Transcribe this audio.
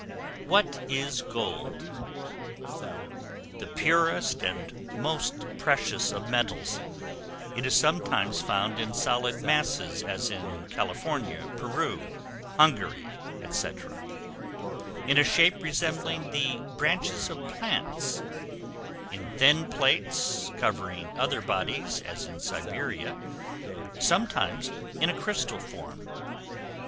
What is Gold? The purest and most precious of metals: it is sometimes found in solid masses, as in California, Peru, Hungary, &c. in a shape resembling the branches of plants; in thin plates covering other bodies, as in Siberia; sometimes in a crystal form.